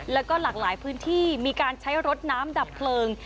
แล้วก็หลากหลายพื้นที่มีการใช้รถน้ำดับเพลิง